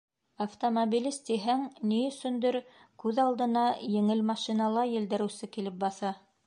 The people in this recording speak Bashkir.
Автомобилист тиһәң, ни өсөндөр күҙ алдына еңел машинала елдереүсе килеп баҫа.